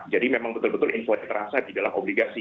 jadi memang betul betul inflow terasa di dalam obligasi